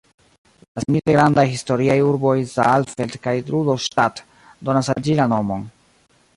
La simile grandaj historiaj urboj Saalfeld kaj Rudolstadt donas al ĝi la nomon.